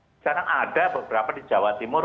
sekarang ada beberapa di jawa timur